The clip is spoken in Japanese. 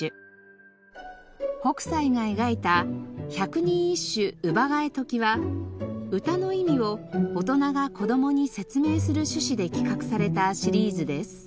北斎が描いた『百人一首乳母かゑとき』は歌の意味を大人が子どもに説明する趣旨で企画されたシリーズです。